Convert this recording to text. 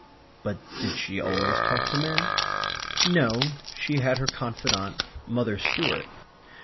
But did she always talk to men? No, she had her confidante: Mother Stuart.